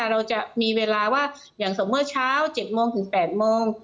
แล้วเราจะมีเวลาอย่างสมมติเช้า๗มงถึง๘มง